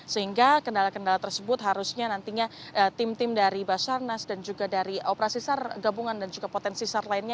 sehingga kendala kendala tersebut harusnya nantinya tim tim dari basarnas dan juga dari operasi sar gabungan dan juga potensi sar lainnya